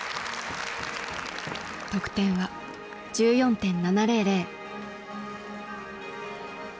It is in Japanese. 得点は１４．７００。